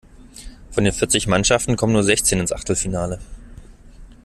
Von den vierzig Mannschaften kommen nur sechzehn ins Achtelfinale.